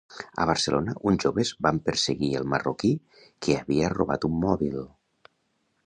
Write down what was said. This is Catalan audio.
A Barcelona, uns joves van perseguir el marroquí que havia robat un mòbil